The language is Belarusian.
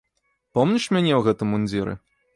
Помніш мяне ў гэтым мундзіры?